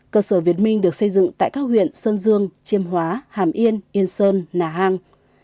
cơ sở việt minh được xây dựng tại các huyện sơn dương chiêm hóa hàm yên yên sơn nà hang